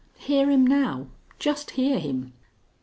Hear him now; just hear him."